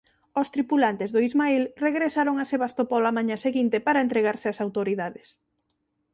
Os tripulantes do "Ismail" regresaron a Sebastopol á mañá seguinte para entregarse ás autoridades.